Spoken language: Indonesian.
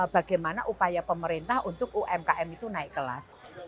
bagaimana upaya pemerintah untuk umkm itu naik kelas